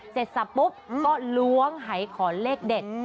เสร็จสับปุ๊บก็ล้วงหายขอเลขเด็ด